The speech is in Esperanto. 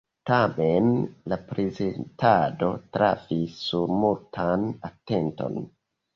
Tamen la prezentado trafis sur multan atenton.